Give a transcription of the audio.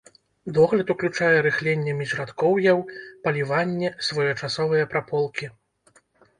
Догляд уключае рыхленне міжрадкоўяў, паліванне, своечасовыя праполкі.